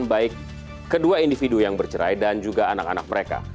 baik kedua individu yang bercerai dan juga anak anak mereka